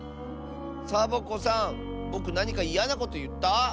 サボ子さんぼくなにかいやなこといった？